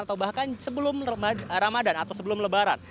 atau bahkan sebelum ramadhan atau sebelum lebaran